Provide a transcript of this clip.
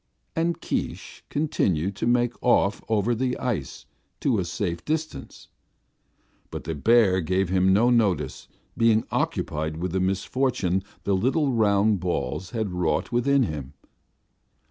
And Keesh continued to make off over the ice to a safe distance. But the bear gave him no notice, being occupied with the misfortune the little round balls had wrought within him."